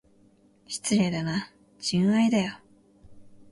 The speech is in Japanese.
失礼だな、純愛だよ。